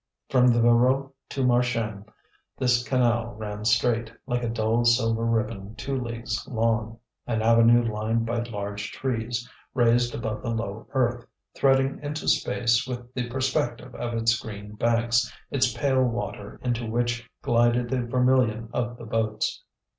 From the Voreux to Marchiennes this canal ran straight, like a dull silver ribbon two leagues long, an avenue lined by large trees, raised above the low earth, threading into space with the perspective of its green banks, its pale water into which glided the vermilion of the boats.